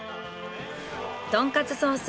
とんかつソース